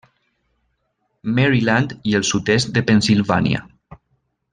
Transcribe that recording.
Maryland i el sud-est de Pennsilvània.